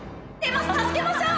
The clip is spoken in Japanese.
助けましょう！